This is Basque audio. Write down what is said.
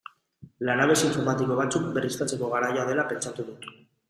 Lanabes informatiko batzuk berriztatzeko garaia dela pentsatu dut.